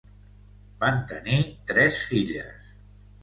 Van tenir tres filles.